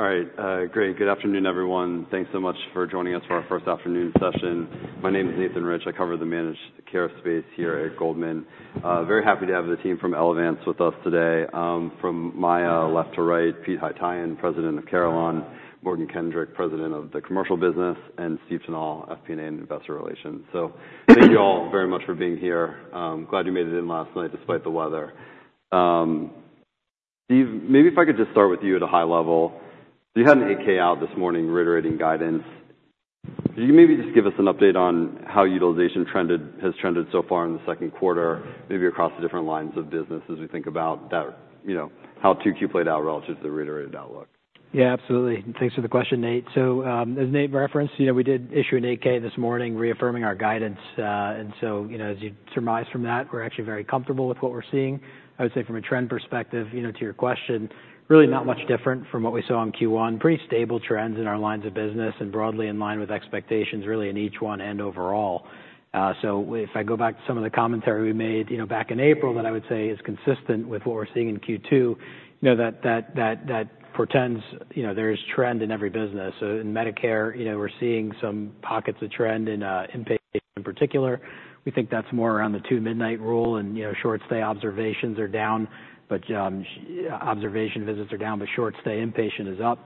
All right. Great. Good afternoon, everyone. Thanks so much for joining us for our first afternoon session. My name is Nathan Rich. I cover the managed care space here at Goldman. Very happy to have the team from Elevance with us today. From my left to right, Pete Haytaian, President of Carelon; Morgan Kendrick, President of the Commercial Business; and Steve Tanal, FP&A and Investor Relations. So thank you all very much for being here. Glad you made it in last night despite the weather. Steve, maybe if I could just start with you at a high level. You had an 8-K out this morning reiterating guidance. Could you maybe just give us an update on how utilization has trended so far in the second quarter, maybe across the different lines of business as we think about how Q2 played out relative to the reiterated outlook? Yeah, absolutely. Thanks for the question, Nate. So as Nate referenced, we did issue an 8-K this morning reaffirming our guidance. And so as you surmise from that, we're actually very comfortable with what we're seeing. I would say from a trend perspective, to your question, really not much different from what we saw in Q1. Pretty stable trends in our lines of business and broadly in line with expectations really in each one and overall. So if I go back to some of the commentary we made back in April that I would say is consistent with what we're seeing in Q2, that portends there is trend in every business. So in Medicare, we're seeing some pockets of trend in inpatient in particular. We think that's more around the Two-Midnight Rule and short-stay observations are down, but observation visits are down, but short-stay inpatient is up.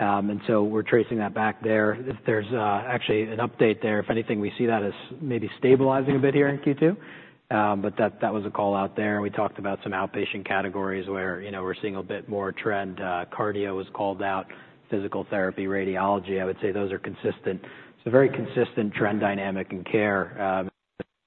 And so we're tracing that back there. There's actually an update there. If anything, we see that as maybe stabilizing a bit here in Q2. But that was a call out there. And we talked about some outpatient categories where we're seeing a bit more trend. Cardio was called out, physical therapy, radiology. I would say those are consistent. It's a very consistent trend dynamic in care.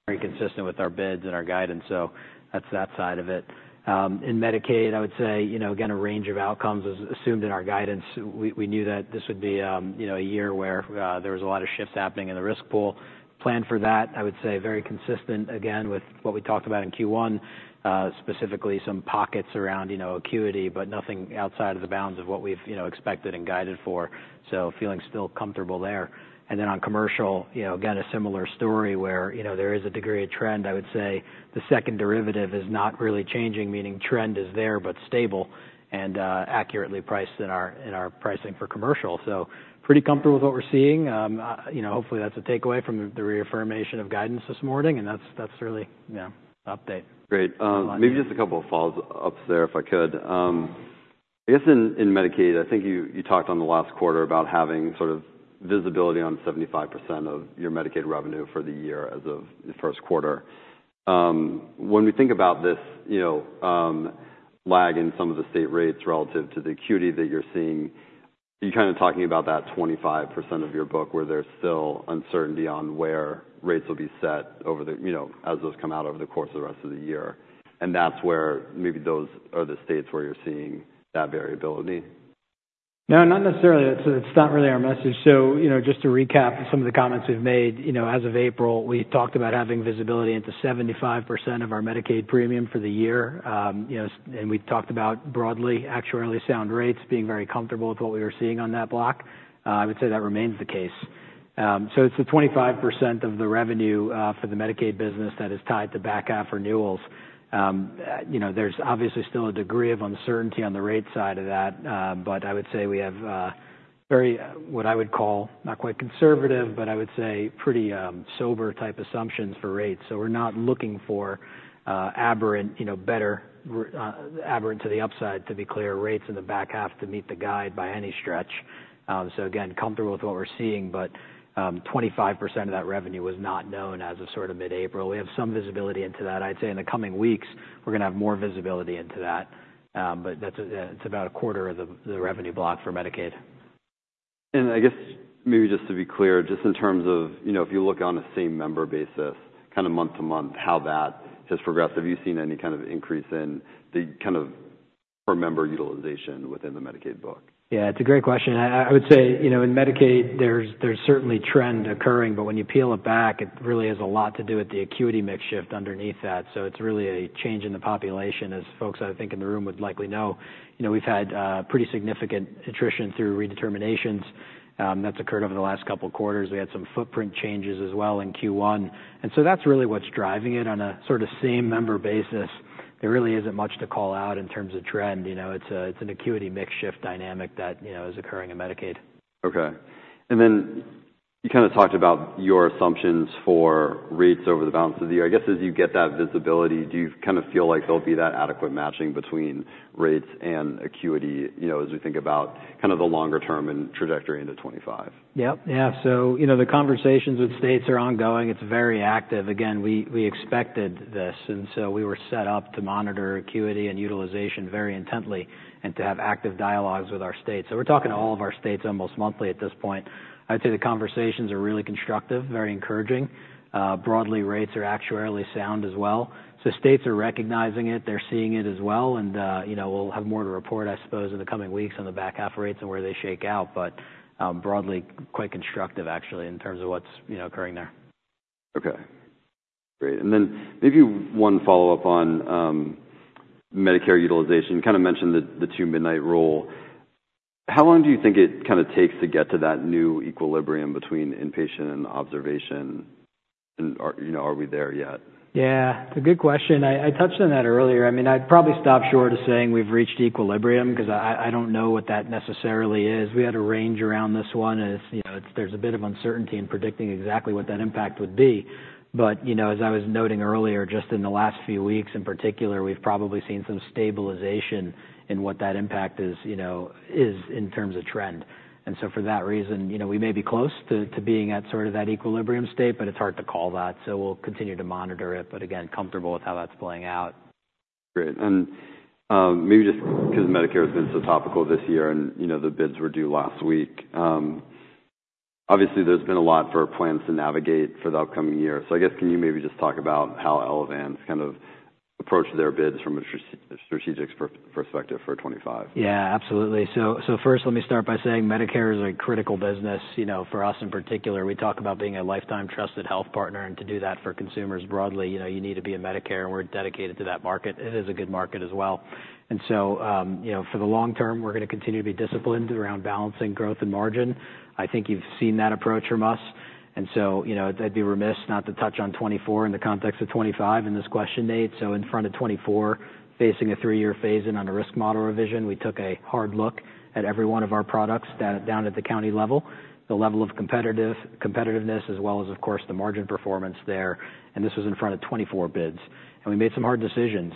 Very consistent with our bids and our guidance. So that's that side of it. In Medicaid, I would say, again, a range of outcomes is assumed in our guidance. We knew that this would be a year where there was a lot of shifts happening in the risk pool. Plan for that, I would say, very consistent again with what we talked about in Q1, specifically some pockets around acuity, but nothing outside of the bounds of what we've expected and guided for. So, feeling still comfortable there. And then on commercial, again, a similar story where there is a degree of trend. I would say the second derivative is not really changing, meaning trend is there but stable and accurately priced in our pricing for commercial. So, pretty comfortable with what we're seeing. Hopefully, that's a takeaway from the reaffirmation of guidance this morning. And that's really an update. Great. Maybe just a couple of follow-ups there if I could. I guess in Medicaid, I think you talked on the last quarter about having sort of visibility on 75% of your Medicaid revenue for the year as of the first quarter. When we think about this lag in some of the state rates relative to the acuity that you're seeing, you're kind of talking about that 25% of your book where there's still uncertainty on where rates will be set as those come out over the course of the rest of the year. And that's where maybe those are the states where you're seeing that variability? No, not necessarily. It's not really our message. So just to recap some of the comments we've made, as of April, we talked about having visibility into 75% of our Medicaid premium for the year. And we talked about broadly actuarially sound rates being very comfortable with what we were seeing on that block. I would say that remains the case. So it's the 25% of the revenue for the Medicaid business that is tied to back half renewals. There's obviously still a degree of uncertainty on the rate side of that. But I would say we have very, what I would call not quite conservative, but I would say pretty sober type assumptions for rates. So we're not looking for aberrant to the upside, to be clear, rates in the back half to meet the guide by any stretch. So again, comfortable with what we're seeing. But 25% of that revenue was not known as of sort of mid-April. We have some visibility into that. I'd say in the coming weeks, we're going to have more visibility into that. But it's about a quarter of the revenue block for Medicaid. I guess maybe just to be clear, just in terms of if you look on a same member basis, kind of month-to-month, how that has progressed, have you seen any kind of increase in the kind of per member utilization within the Medicaid book? Yeah, it's a great question. I would say in Medicaid, there's certainly trend occurring. But when you peel it back, it really has a lot to do with the acuity mix shift underneath that. So it's really a change in the population. As folks, I think, in the room would likely know, we've had pretty significant attrition through redeterminations. That's occurred over the last couple of quarters. We had some footprint changes as well in Q1. And so that's really what's driving it. On a sort of same member basis, there really isn't much to call out in terms of trend. It's an acuity mix shift dynamic that is occurring in Medicaid. Okay. And then you kind of talked about your assumptions for rates over the balance of the year. I guess as you get that visibility, do you kind of feel like there'll be that adequate matching between rates and acuity as we think about kind of the longer term and trajectory into 2025? Yep. Yeah. So the conversations with states are ongoing. It's very active. Again, we expected this. And so we were set up to monitor acuity and utilization very intently and to have active dialogues with our states. So we're talking to all of our states almost monthly at this point. I'd say the conversations are really constructive, very encouraging. Broadly, rates are actuarially sound as well. So states are recognizing it. They're seeing it as well. And we'll have more to report, I suppose, in the coming weeks on the back half rates and where they shake out. But broadly, quite constructive actually in terms of what's occurring there. Okay. Great. And then maybe one follow-up on Medicare utilization. You kind of mentioned the Two-Midnight Rule. How long do you think it kind of takes to get to that new equilibrium between inpatient and observation? And are we there yet? Yeah. It's a good question. I touched on that earlier. I mean, I'd probably stop short of saying we've reached equilibrium because I don't know what that necessarily is. We had a range around this one. There's a bit of uncertainty in predicting exactly what that impact would be. But as I was noting earlier, just in the last few weeks in particular, we've probably seen some stabilization in what that impact is in terms of trend. And so for that reason, we may be close to being at sort of that equilibrium state, but it's hard to call that. So we'll continue to monitor it. But again, comfortable with how that's playing out. Great. And maybe just because Medicare has been so topical this year and the bids were due last week, obviously there's been a lot for our plans to navigate for the upcoming year. So I guess can you maybe just talk about how Elevance kind of approached their bids from a strategic perspective for 2025? Yeah, absolutely. So first, let me start by saying Medicare is a critical business for us in particular. We talk about being a lifetime trusted health partner. And to do that for consumers broadly, you need to be in Medicare. And we're dedicated to that market. It is a good market as well. And so for the long term, we're going to continue to be disciplined around balancing growth and margin. I think you've seen that approach from us. And so I'd be remiss not to touch on 2024 in the context of 2025 in this question, Nate. So in front of 2024, facing a 3-year phase-in on a risk model revision, we took a hard look at every one of our products down at the county level, the level of competitiveness as well as, of course, the margin performance there. And this was in front of 2024 bids. We made some hard decisions.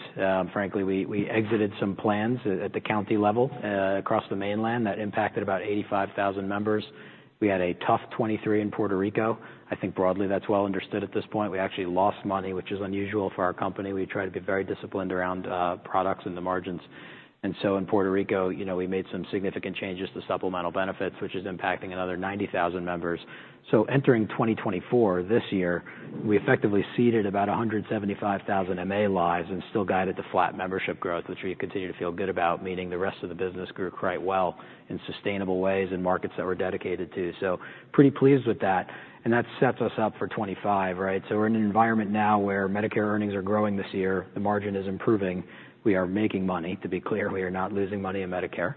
Frankly, we exited some plans at the county level across the mainland that impacted about 85,000 members. We had a tough 2023 in Puerto Rico. I think broadly that's well understood at this point. We actually lost money, which is unusual for our company. We try to be very disciplined around products and the margins. And so in Puerto Rico, we made some significant changes to supplemental benefits, which is impacting another 90,000 members. So entering 2024 this year, we effectively ceded about 175,000 MA lives and still guided to flat membership growth, which we continue to feel good about, meaning the rest of the business grew quite well in sustainable ways in markets that we're dedicated to. So pretty pleased with that. That sets us up for 2025, right? So we're in an environment now where Medicare earnings are growing this year. The margin is improving. We are making money, to be clear. We are not losing money in Medicare.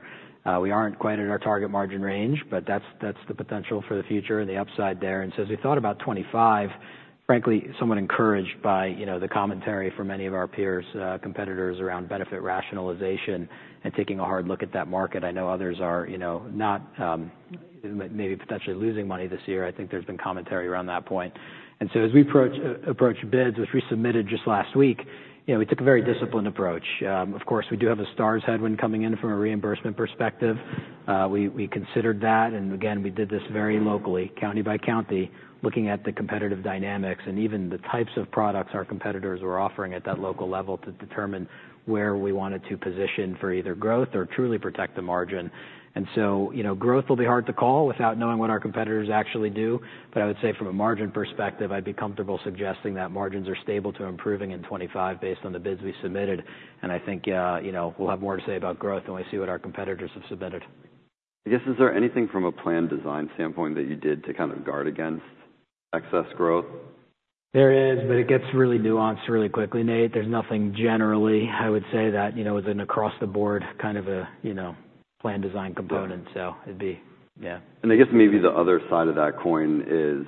We aren't quite at our target margin range, but that's the potential for the future and the upside there. And so as we thought about 2025, frankly, somewhat encouraged by the commentary from many of our peers, competitors around benefit rationalization and taking a hard look at that market. I know others are not maybe potentially losing money this year. I think there's been commentary around that point. And so as we approach bids, which we submitted just last week, we took a very disciplined approach. Of course, we do have a Stars headwind coming in from a reimbursement perspective. We considered that. Again, we did this very locally, county by county, looking at the competitive dynamics and even the types of products our competitors were offering at that local level to determine where we wanted to position for either growth or truly protect the margin. So growth will be hard to call without knowing what our competitors actually do. I would say from a margin perspective, I'd be comfortable suggesting that margins are stable to improving in 2025 based on the bids we submitted. I think we'll have more to say about growth when we see what our competitors have submitted. I guess, is there anything from a plan design standpoint that you did to kind of guard against excess growth? There is, but it gets really nuanced really quickly, Nate. There's nothing generally, I would say, that was an across-the-board kind of a plan design component. So it'd be, yeah. I guess maybe the other side of that coin is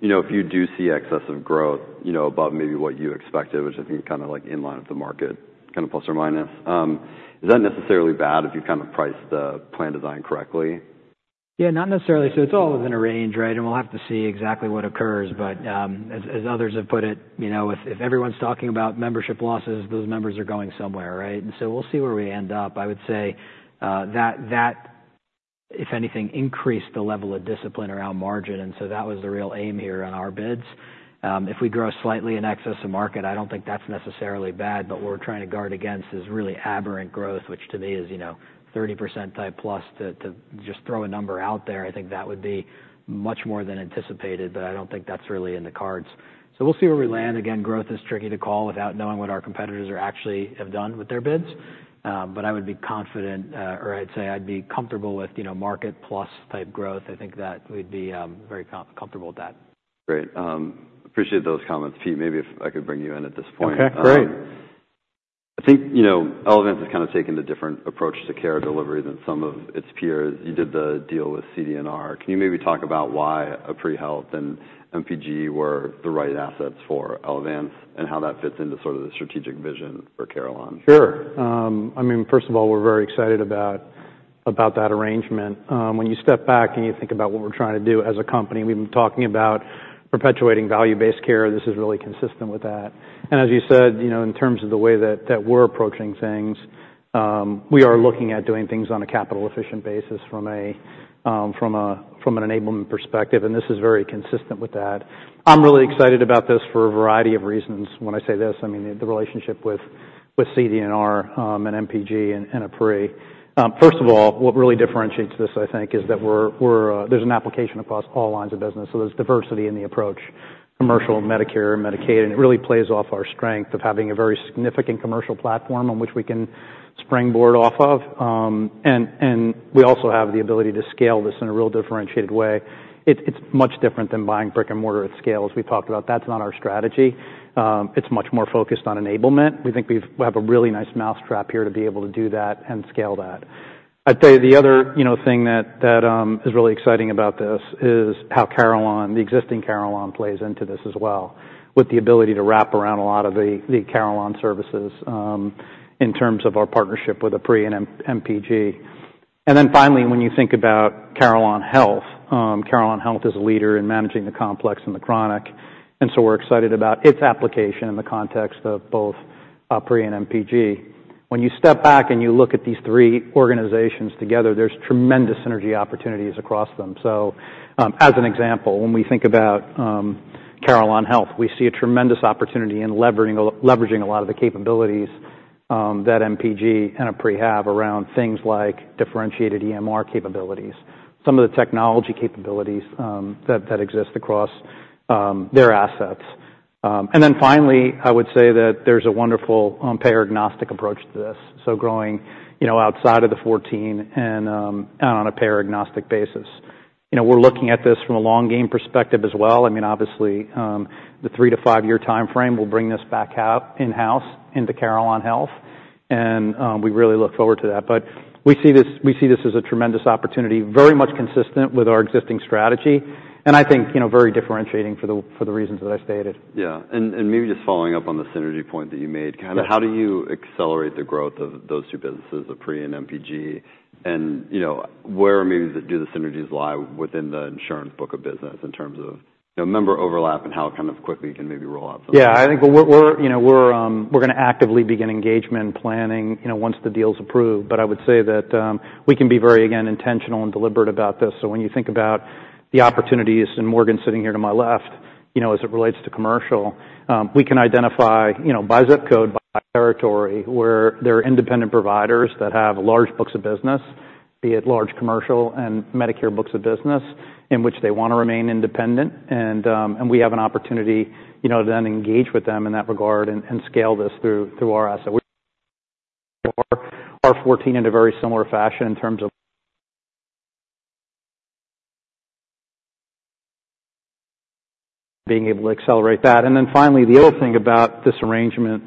if you do see excessive growth above maybe what you expected, which I think kind of like in line with the market, kind of plus or minus, is that necessarily bad if you kind of price the plan design correctly? Yeah, not necessarily. So it's all within a range, right? And we'll have to see exactly what occurs. But as others have put it, if everyone's talking about membership losses, those members are going somewhere, right? And so we'll see where we end up. I would say that, if anything, increased the level of discipline around margin. And so that was the real aim here on our bids. If we grow slightly in excess of market, I don't think that's necessarily bad. But what we're trying to guard against is really aberrant growth, which to me is 30% type plus to just throw a number out there. I think that would be much more than anticipated, but I don't think that's really in the cards. So we'll see where we land. Again, growth is tricky to call without knowing what our competitors actually have done with their bids. I would be confident, or I'd say I'd be comfortable with market plus type growth. I think that we'd be very comfortable with that. Great. Appreciate those comments. Pete, maybe if I could bring you in at this point. Okay. Great. I think Elevance has kind of taken a different approach to care delivery than some of its peers. You did the deal with CD&R. Can you maybe talk about why Apree Health and MPG were the right assets for Elevance and how that fits into sort of the strategic vision for Carelon? Sure. I mean, first of all, we're very excited about that arrangement. When you step back and you think about what we're trying to do as a company, we've been talking about perpetuating value-based care. This is really consistent with that. And as you said, in terms of the way that we're approaching things, we are looking at doing things on a capital-efficient basis from an enablement perspective. And this is very consistent with that. I'm really excited about this for a variety of reasons when I say this. I mean, the relationship with CD&R and MPG and Apree. First of all, what really differentiates this, I think, is that there's an application across all lines of business. So there's diversity in the approach, commercial, Medicare, Medicaid. And it really plays off our strength of having a very significant commercial platform on which we can springboard off of. We also have the ability to scale this in a real differentiated way. It's much different than buying brick and mortar at scale. As we talked about, that's not our strategy. It's much more focused on enablement. We think we have a really nice mousetrap here to be able to do that and scale that. I'd say the other thing that is really exciting about this is how Carelon, the existing Carelon, plays into this as well with the ability to wrap around a lot of the Carelon services in terms of our partnership with Apree and MPG. And then finally, when you think about Carelon Health, Carelon Health is a leader in managing the complex and the chronic. And so we're excited about its application in the context of both Apree and MPG. When you step back and you look at these three organizations together, there's tremendous synergy opportunities across them. So as an example, when we think about Carelon Health, we see a tremendous opportunity in leveraging a lot of the capabilities that MPG and Apree have around things like differentiated EMR capabilities, some of the technology capabilities that exist across their assets. And then finally, I would say that there's a wonderful payer-agnostic approach to this. So growing outside of the Elevance and on a payer-agnostic basis. We're looking at this from a long-game perspective as well. I mean, obviously, the 3-5-year timeframe will bring this back in-house into Carelon Health. And we really look forward to that. But we see this as a tremendous opportunity, very much consistent with our existing strategy. And I think very differentiating for the reasons that I stated. Yeah. And maybe just following up on the synergy point that you made, kind of how do you accelerate the growth of those two businesses, Apree and MPG? And where maybe do the synergies lie within the insurance book of business in terms of member overlap and how it kind of quickly can maybe roll out? Yeah. I think we're going to actively begin engagement planning once the deal's approved. But I would say that we can be very, again, intentional and deliberate about this. So when you think about the opportunities and Morgan sitting here to my left as it relates to commercial, we can identify by zip code, by territory where there are independent providers that have large books of business, be it large commercial and Medicare books of business, in which they want to remain independent. And we have an opportunity to then engage with them in that regard and scale this through our asset. Our 14, in a very similar fashion in terms of being able to accelerate that. And then finally, the other thing about this arrangement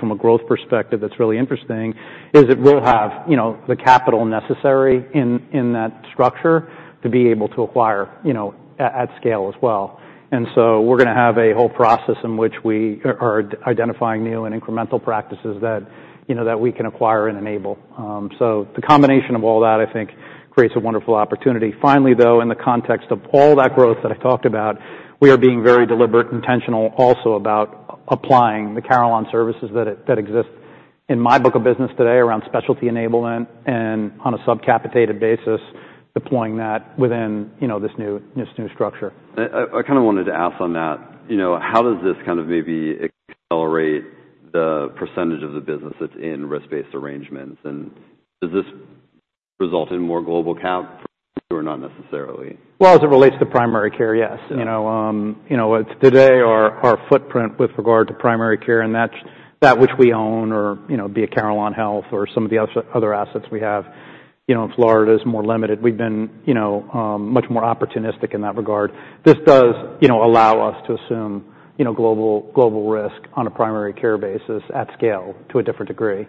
from a growth perspective that's really interesting is it will have the capital necessary in that structure to be able to acquire at scale as well. And so we're going to have a whole process in which we are identifying new and incremental practices that we can acquire and enable. So the combination of all that, I think, creates a wonderful opportunity. Finally, though, in the context of all that growth that I talked about, we are being very deliberate and intentional also about applying the Carelon services that exist in my book of business today around specialty enablement and on a subcapitated basis, deploying that within this new structure. I kind of wanted to ask on that. How does this kind of maybe accelerate the percentage of the business that's in risk-based arrangements? And does this result in more global cap for you or not necessarily? Well, as it relates to primary care, yes. Today, our footprint with regard to primary care and that which we own, or be it Carelon Health or some of the other assets we have in Florida, is more limited. We've been much more opportunistic in that regard. This does allow us to assume global risk on a primary care basis at scale to a different degree.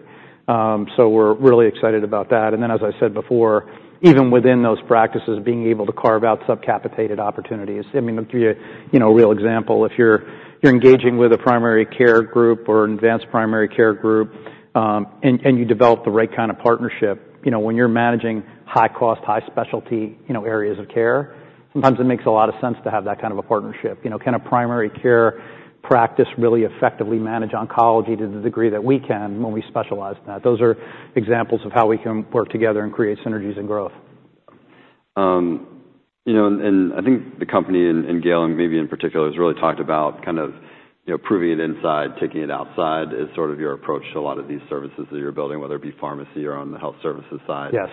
So we're really excited about that. And then, as I said before, even within those practices, being able to carve out subcapitated opportunities. I mean, I'll give you a real example. If you're engaging with a primary care group or an advanced primary care group and you develop the right kind of partnership, when you're managing high-cost, high-specialty areas of care, sometimes it makes a lot of sense to have that kind of a partnership. Can a primary care practice really effectively manage oncology to the degree that we can when we specialize in that? Those are examples of how we can work together and create synergies and growth. I think the company and Gail, maybe in particular, has really talked about kind of proving it inside. Taking it outside is sort of your approach to a lot of these services that you're building, whether it be pharmacy or on the health services side. Yes.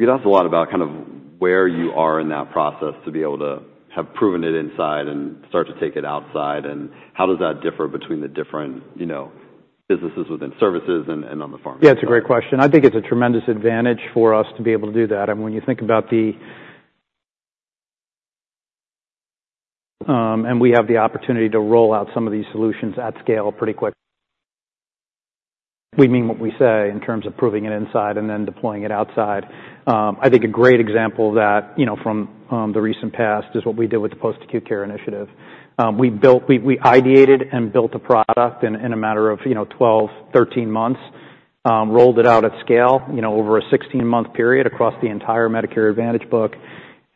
You asked a lot about kind of where you are in that process to be able to have proven it inside and start to take it outside. And how does that differ between the different businesses within services and on the pharmacy side? Yeah, it's a great question. I think it's a tremendous advantage for us to be able to do that. And when you think about—and we have the opportunity to roll out some of these solutions at scale pretty quick. We mean what we say in terms of proving it inside and then deploying it outside. I think a great example of that from the recent past is what we did with the Post-Acute Care Initiative. We ideated and built a product in a matter of 12, 13 months, rolled it out at scale over a 16-month period across the entire Medicare Advantage book.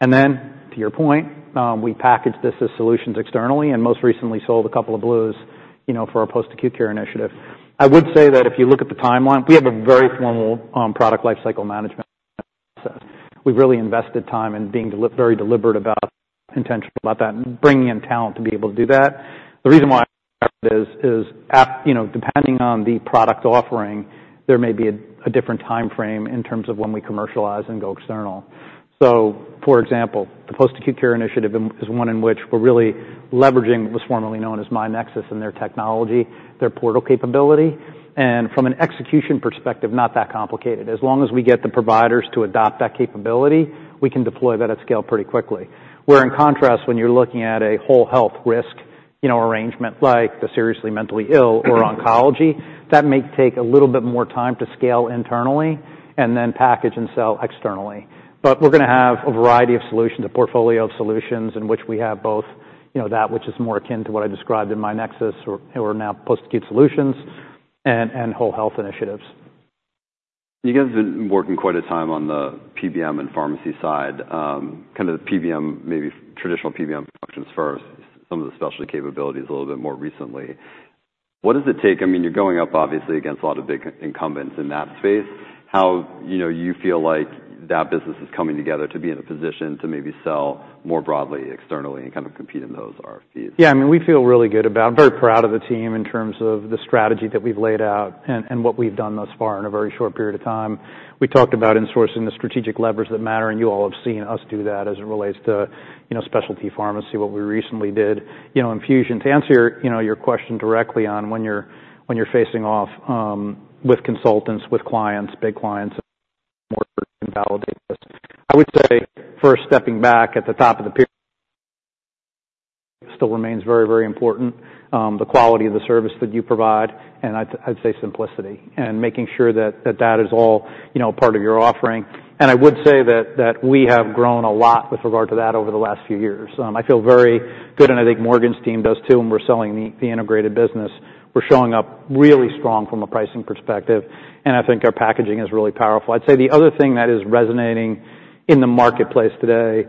And then, to your point, we packaged this as solutions externally and most recently sold a couple of Blues for our Post-Acute Care Initiative. I would say that if you look at the timeline, we have a very formal product lifecycle management process. We've really invested time in being very deliberate about intentional about that and bringing in talent to be able to do that. The reason why I think that is, depending on the product offering, there may be a different timeframe in terms of when we commercialize and go external. So, for example, the Post-Acute Care Initiative is one in which we're really leveraging what was formerly known as myNexus and their technology, their portal capability. And from an execution perspective, not that complicated. As long as we get the providers to adopt that capability, we can deploy that at scale pretty quickly. Where, in contrast, when you're looking at a whole health risk arrangement like the seriously mentally ill or oncology, that may take a little bit more time to scale internally and then package and sell externally. But we're going to have a variety of solutions, a portfolio of solutions in which we have both that which is more akin to what I described in myNexus or now Post-Acute Solutions and whole health initiatives. You guys have been working quite a time on the PBM and pharmacy side, kind of the PBM, maybe traditional PBM functions first, some of the specialty capabilities a little bit more recently. What does it take? I mean, you're going up obviously against a lot of big incumbents in that space. How do you feel like that business is coming together to be in a position to maybe sell more broadly externally and kind of compete in those RFPs? Yeah. I mean, we feel really good about, very proud of the team in terms of the strategy that we've laid out and what we've done thus far in a very short period of time. We talked about insourcing the strategic levers that matter. And you all have seen us do that as it relates to specialty pharmacy, what we recently did in infusion. To answer your question directly on when you're facing off with consultants, with clients, big clients, more validated, I would say first stepping back at the top of the pyramid still remains very, very important. The quality of the service that you provide, and I'd say simplicity and making sure that that is all part of your offering. And I would say that we have grown a lot with regard to that over the last few years. I feel very good. I think Morgan's team does too. We're selling the integrated business. We're showing up really strong from a pricing perspective. I think our packaging is really powerful. I'd say the other thing that is resonating in the marketplace today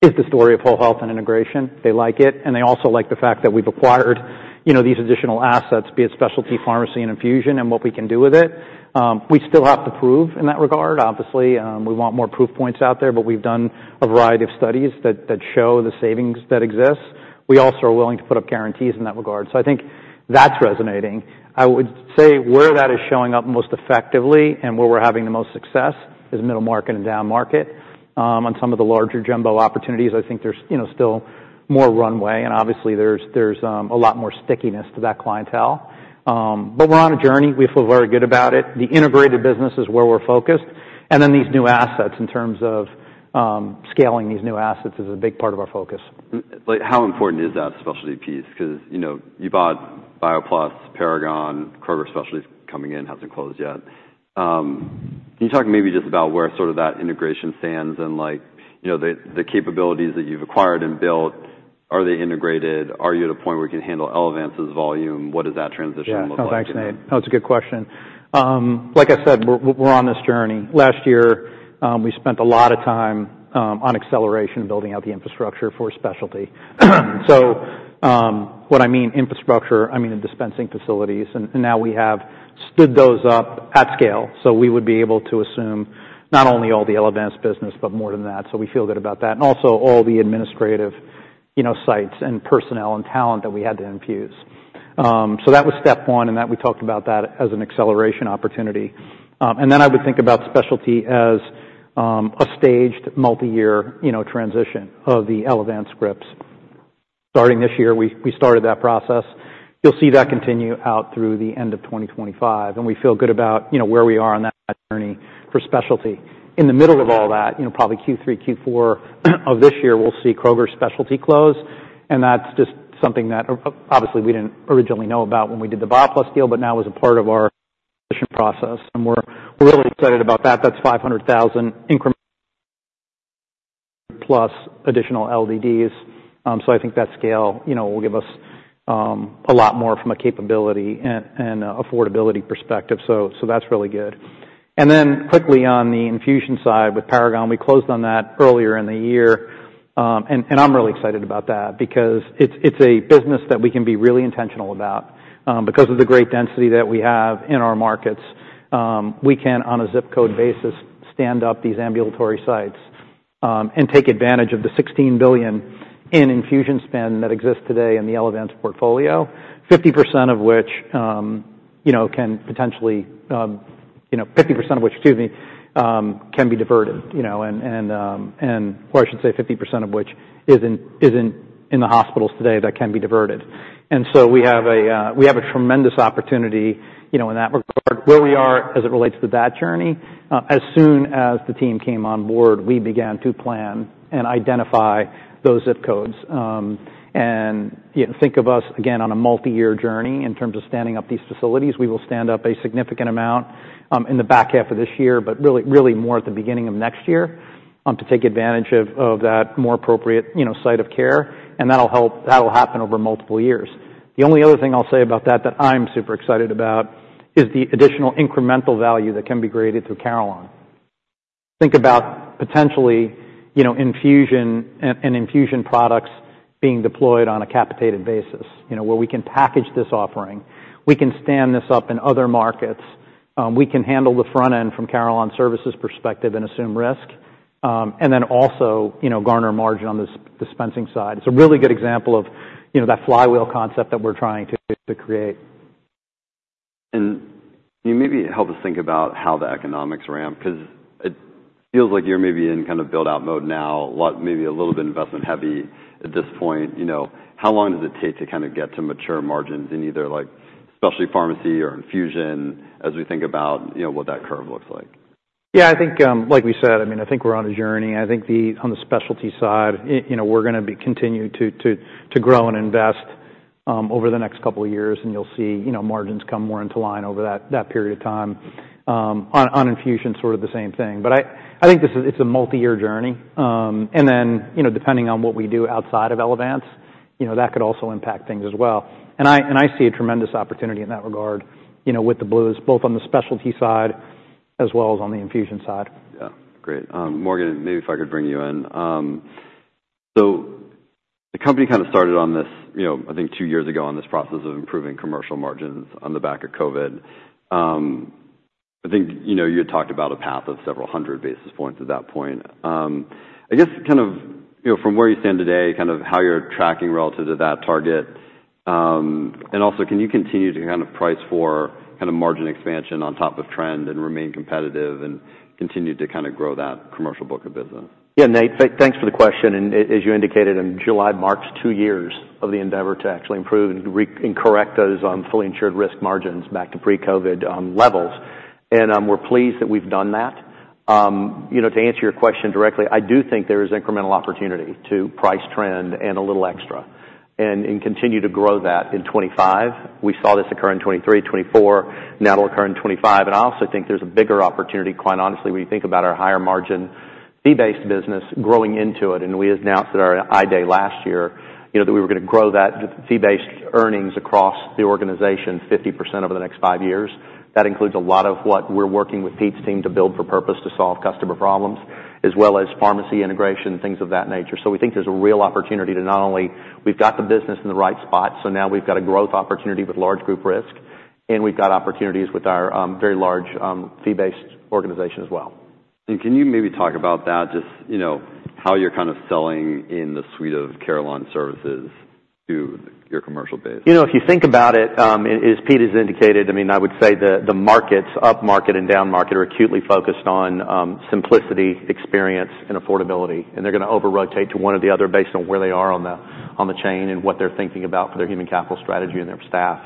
is the story of whole health and integration. They like it. They also like the fact that we've acquired these additional assets, be it specialty pharmacy and infusion and what we can do with it. We still have to prove in that regard. Obviously, we want more proof points out there. But we've done a variety of studies that show the savings that exist. We also are willing to put up guarantees in that regard. So I think that's resonating. I would say where that is showing up most effectively and where we're having the most success is middle market and down market. On some of the larger jumbo opportunities, I think there's still more runway. And obviously, there's a lot more stickiness to that clientele. But we're on a journey. We feel very good about it. The integrated business is where we're focused. And then these new assets in terms of scaling these new assets is a big part of our focus. How important is that specialty piece? Because you bought BioPlus, Paragon, Kroger Specialty coming in, hasn't closed yet. Can you talk maybe just about where sort of that integration stands and the capabilities that you've acquired and built? Are they integrated? Are you at a point where you can handle Elevance's volume? What does that transition look like? Yeah. I'll vaccinate. Oh, it's a good question. Like I said, we're on this journey. Last year, we spent a lot of time on acceleration building out the infrastructure for specialty. So what I mean infrastructure, I mean the dispensing facilities. And now we have stood those up at scale. So we would be able to assume not only all the Elevance business, but more than that. So we feel good about that. And also all the administrative sites and personnel and talent that we had to infuse. So that was step one. And that we talked about that as an acceleration opportunity. And then I would think about specialty as a staged multi-year transition of the Elevance scripts. Starting this year, we started that process. You'll see that continue out through the end of 2025. And we feel good about where we are on that journey for specialty. In the middle of all that, probably Q3, Q4 of this year, we'll see Kroger Specialty close. And that's just something that obviously we didn't originally know about when we did the BioPlus deal, but now is a part of our acquisition process. And we're really excited about that. That's 500,000 + additional LDDs. So I think that scale will give us a lot more from a capability and affordability perspective. So that's really good. And then quickly on the infusion side with Paragon, we closed on that earlier in the year. And I'm really excited about that because it's a business that we can be really intentional about. Because of the great density that we have in our markets, we can, on a zip code basis, stand up these ambulatory sites and take advantage of the $16 billion in infusion spend that exists today in the Elevance portfolio, 50% of which can potentially, 50% of which, excuse me, can be diverted. Well, I should say 50% of which isn't in the hospitals today that can be diverted. So we have a tremendous opportunity in that regard where we are as it relates to that journey. As soon as the team came on board, we began to plan and identify those zip codes. And think of us, again, on a multi-year journey in terms of standing up these facilities. We will stand up a significant amount in the back half of this year, but really more at the beginning of next year to take advantage of that more appropriate site of care. That'll happen over multiple years. The only other thing I'll say about that that I'm super excited about is the additional incremental value that can be created through Carelon. Think about potentially infusion and infusion products being deployed on a capitated basis where we can package this offering. We can stand this up in other markets. We can handle the front end from Carelon Services' perspective and assume risk and then also garner margin on the dispensing side. It's a really good example of that flywheel concept that we're trying to create. Can you maybe help us think about how the economics ran? Because it feels like you're maybe in kind of build-out mode now, maybe a little bit investment-heavy at this point. How long does it take to kind of get to mature margins in either specialty pharmacy or infusion as we think about what that curve looks like? Yeah. I think, like we said, I mean, I think we're on a journey. I think on the specialty side, we're going to continue to grow and invest over the next couple of years. And you'll see margins come more into line over that period of time. On infusion, sort of the same thing. But I think it's a multi-year journey. And then depending on what we do outside of Elevance, that could also impact things as well. And I see a tremendous opportunity in that regard with the Blues, both on the specialty side as well as on the infusion side. Yeah. Great. Morgan, maybe if I could bring you in. So the company kind of started on this, I think, two years ago on this process of improving commercial margins on the back of COVID. I think you had talked about a path of several hundred basis points at that point. I guess kind of from where you stand today, kind of how you're tracking relative to that target. And also, can you continue to kind of price for kind of margin expansion on top of trend and remain competitive and continue to kind of grow that commercial book of business? Yeah, Nate. Thanks for the question. As you indicated, in July marked two years of the endeavor to actually improve and correct those fully insured risk margins back to pre-COVID levels. We're pleased that we've done that. To answer your question directly, I do think there is incremental opportunity to price trend and a little extra and continue to grow that in 2025. We saw this occur in 2023, 2024. Now it'll occur in 2025. I also think there's a bigger opportunity, quite honestly, when you think about our higher margin fee-based business growing into it. We announced at our IDA last year that we were going to grow that fee-based earnings across the organization 50% over the next five years. That includes a lot of what we're working with Pete's team to build for purpose to solve customer problems as well as pharmacy integration, things of that nature. So we think there's a real opportunity to not only we've got the business in the right spot. So now we've got a growth opportunity with large group risk. And we've got opportunities with our very large fee-based organization as well. Can you maybe talk about that, just how you're kind of selling in the suite of Carelon Services to your commercial base? If you think about it, as Pete has indicated, I mean, I would say the markets, up market and down market, are acutely focused on simplicity, experience, and affordability. They're going to over-rotate to one or the other based on where they are on the chain and what they're thinking about for their human capital strategy and their staff.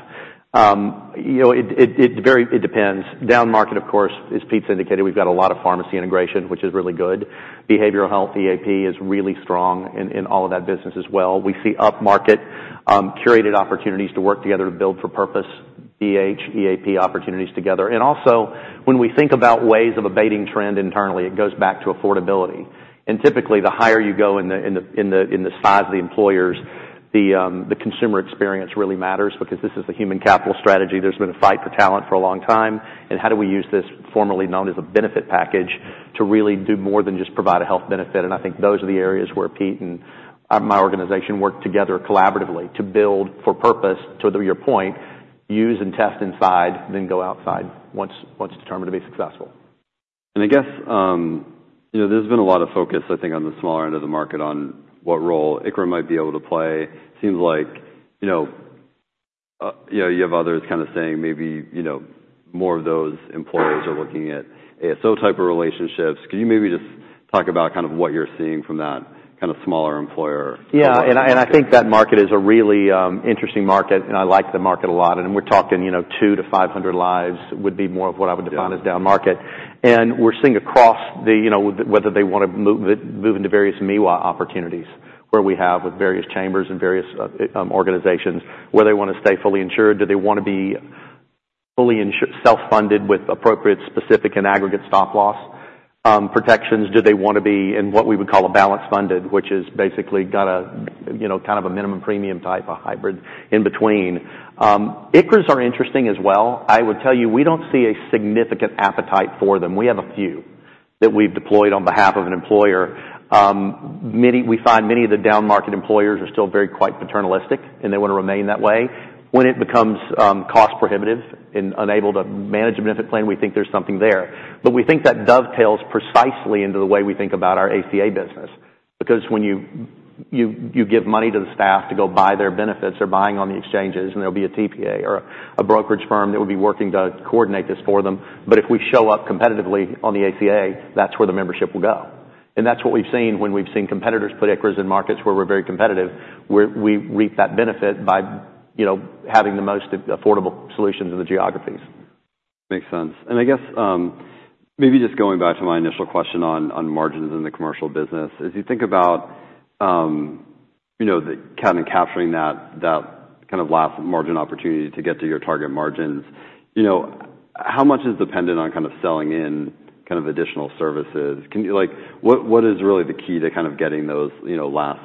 It depends. Down market, of course, as Pete's indicated, we've got a lot of pharmacy integration, which is really good. Behavioral health, EAP is really strong in all of that business as well. We see up market curated opportunities to work together to build for purpose, BH, EAP opportunities together. Also, when we think about ways of abating trend internally, it goes back to affordability. Typically, the higher you go in the size of the employers, the consumer experience really matters because this is a human capital strategy. There's been a fight for talent for a long time. And how do we use this, formerly known as a benefit package, to really do more than just provide a health benefit? And I think those are the areas where Pete and my organization work together collaboratively to build for purpose, to your point, use and test inside, then go outside once determined to be successful. I guess there's been a lot of focus, I think, on the smaller end of the market on what role ICHRA might be able to play. It seems like you have others kind of saying maybe more of those employers are looking at ASO type of relationships. Can you maybe just talk about kind of what you're seeing from that kind of smaller employer? Yeah. And I think that market is a really interesting market. And I like the market a lot. And we're talking 200-500 lives would be more of what I would define as down market. And we're seeing across whether they want to move into various MEWA opportunities where we have with various chambers and various organizations where they want to stay fully insured. Do they want to be fully self-funded with appropriate specific and aggregate stop-loss protections? Do they want to be in what we would call a balance funded, which is basically got a kind of a minimum premium type, a hybrid in between? ICHRAs are interesting as well. I would tell you we don't see a significant appetite for them. We have a few that we've deployed on behalf of an employer. We find many of the down market employers are still very quite paternalistic. They want to remain that way. When it becomes cost-prohibitive and unable to manage a benefit plan, we think there's something there. We think that dovetails precisely into the way we think about our ACA business. Because when you give money to the staff to go buy their benefits, they're buying on the exchanges. There'll be a TPA or a brokerage firm that will be working to coordinate this for them. If we show up competitively on the ACA, that's where the membership will go. That's what we've seen when we've seen competitors put ICHRAs in markets where we're very competitive, where we reap that benefit by having the most affordable solutions in the geographies. Makes sense. I guess maybe just going back to my initial question on margins in the commercial business, as you think about kind of capturing that kind of last margin opportunity to get to your target margins, how much is dependent on kind of selling in kind of additional services? What is really the key to kind of getting those last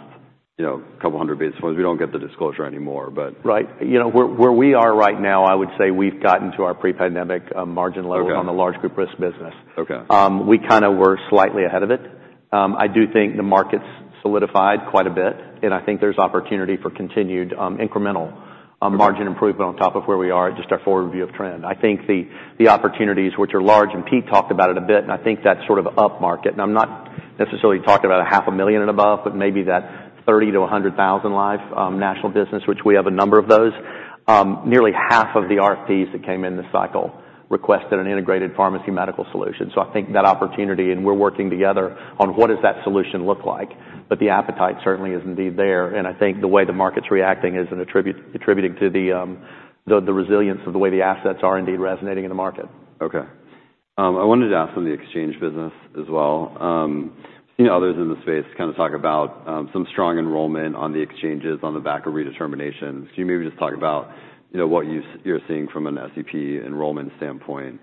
couple hundred basis points? We don't get the disclosure anymore, but. Right. Where we are right now, I would say we've gotten to our pre-pandemic margin level on the large group risk business. We kind of were slightly ahead of it. I do think the market's solidified quite a bit. And I think there's opportunity for continued incremental margin improvement on top of where we are, just our forward view of trend. I think the opportunities, which are large, and Pete talked about it a bit. And I think that's sort of up market. And I'm not necessarily talking about 500,000 and above, but maybe that 30,000-100,000 life national business, which we have a number of those. Nearly half of the RFPs that came in this cycle requested an integrated pharmacy medical solution. So I think that opportunity, and we're working together on what does that solution look like. The appetite certainly is indeed there. I think the way the market's reacting is attributing to the resilience of the way the assets are indeed resonating in the market. Okay. I wanted to ask on the exchange business as well. I've seen others in the space kind of talk about some strong enrollment on the exchanges on the back of redeterminations. Can you maybe just talk about what you're seeing from an SEP enrollment standpoint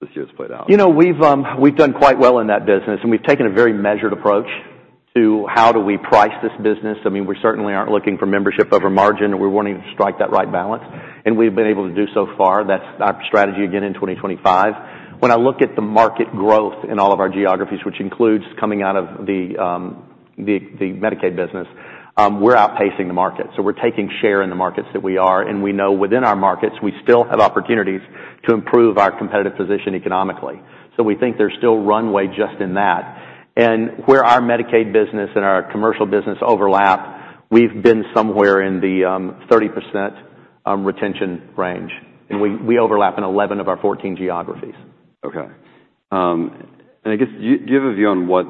this year's played out? We've done quite well in that business. We've taken a very measured approach to how do we price this business. I mean, we certainly aren't looking for membership over margin. We're wanting to strike that right balance. We've been able to do so far. That's our strategy again in 2025. When I look at the market growth in all of our geographies, which includes coming out of the Medicaid business, we're outpacing the market. We're taking share in the markets that we are. We know within our markets, we still have opportunities to improve our competitive position economically. We think there's still runway just in that. Where our Medicaid business and our commercial business overlap, we've been somewhere in the 30% retention range. We overlap in 11 of our 14 geographies. Okay. And I guess do you have a view on what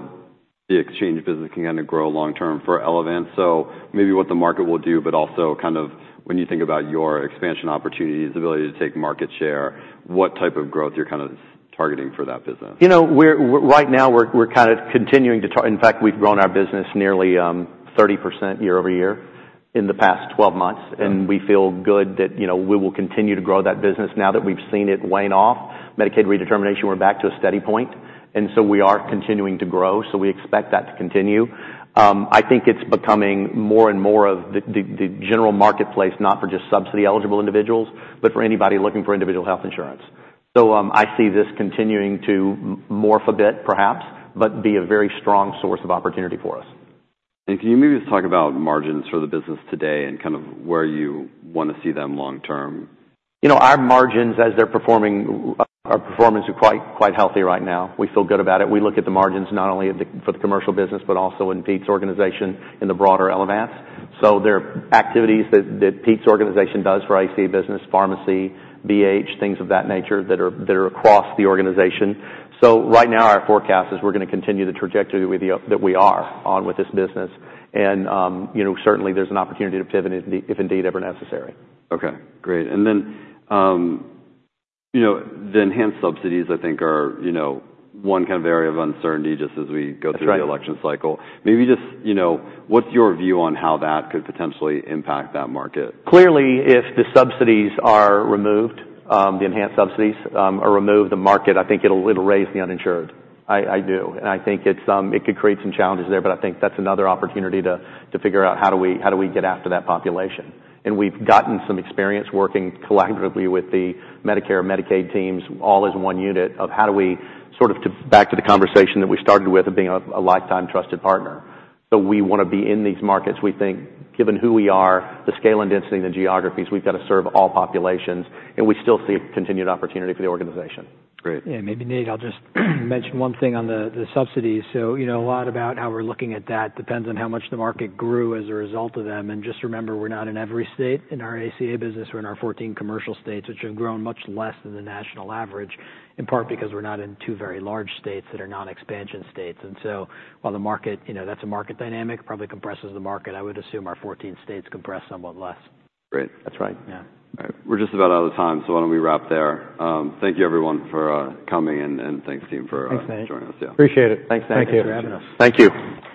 the exchange business can kind of grow long-term for Elevance? So maybe what the market will do, but also kind of when you think about your expansion opportunities, ability to take market share, what type of growth you're kind of targeting for that business? Right now, we're kind of continuing to, in fact, we've grown our business nearly 30% year-over-year in the past 12 months. We feel good that we will continue to grow that business now that we've seen it wane off. Medicaid redeterminations, we're back to a steady point. So we are continuing to grow. We expect that to continue. I think it's becoming more and more of the general marketplace, not for just subsidy-eligible individuals, but for anybody looking for individual health insurance. I see this continuing to morph a bit, perhaps, but be a very strong source of opportunity for us. Can you maybe just talk about margins for the business today and kind of where you want to see them long-term? Our margins, as they're performing, are performing quite healthy right now. We feel good about it. We look at the margins not only for the commercial business, but also in Pete's organization in the broader Elevance. So there are activities that Pete's organization does for ACA business, pharmacy, BH, things of that nature that are across the organization. So right now, our forecast is we're going to continue the trajectory that we are on with this business. And certainly, there's an opportunity to pivot if indeed ever necessary. Okay. Great. And then the enhanced subsidies, I think, are one kind of area of uncertainty just as we go through the election cycle. Maybe just what's your view on how that could potentially impact that market? Clearly, if the subsidies are removed, the enhanced subsidies are removed, the market, I think it'll raise the uninsured. I do. And I think it could create some challenges there. But I think that's another opportunity to figure out how do we get after that population. And we've gotten some experience working collaboratively with the Medicare and Medicaid teams all as one unit of how do we sort of back to the conversation that we started with of being a lifetime trusted partner. So we want to be in these markets. We think, given who we are, the scale and density in the geographies, we've got to serve all populations. And we still see a continued opportunity for the organization. Great. Yeah. Maybe Nate, I'll just mention one thing on the subsidies. So a lot about how we're looking at that depends on how much the market grew as a result of them. And just remember, we're not in every state in our ACA business. We're in our 14 commercial states, which have grown much less than the national average, in part because we're not in two very large states that are non-expansion states. And so while the market, that's a market dynamic, probably compresses the market. I would assume our 14 states compress somewhat less. Great. That's right. Yeah. All right. We're just about out of time. So why don't we wrap there? Thank you, everyone, for coming. And thanks, team, for joining us. Thanks, Nate. Appreciate it. Thanks, Nate. Thank you for having us. Thank you.